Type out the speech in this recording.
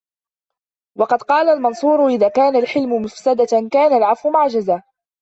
وَقَدْ قَالَ الْمَنْصُورُ إذَا كَانَ الْحِلْمُ مَفْسَدَةً كَانَ الْعَفْوُ مَعْجَزَةً